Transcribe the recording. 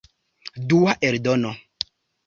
Dua eldono.